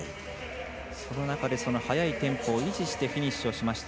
その中で速いテンポを維持してフィニッシュしました。